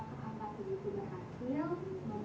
bahwa apa apa keangkatan itu berhasil